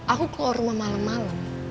aku keluar rumah malem malem